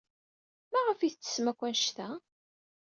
Maɣef ay tettessem akk anect-a?